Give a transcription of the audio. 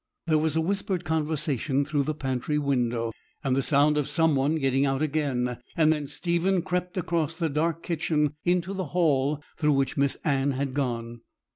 There was a whispered conversation through the pantry window, and the sound of some one getting out again; and then Stephen crept across the dark kitchen into the hall through which Miss Anne had gone.